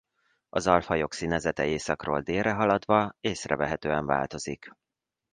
Az alfajok színezete északról délre haladva észrevehetően változik.